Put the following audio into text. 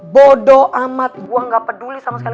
bodo amat gua gak peduli sama sekali